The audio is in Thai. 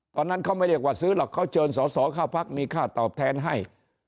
ตอนนั้นเขาไม่เรียกว่าซื้อหรอกเขาเชิญสอสอเข้าพักมีค่าตอบแทนให้